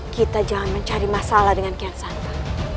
kita jangan mencari masalah dengan kian santa